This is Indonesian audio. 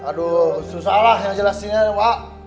aduh susah lah yang jelasinnya pak